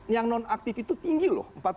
yang non aktif itu tinggi loh